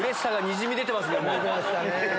にじみ出てますね。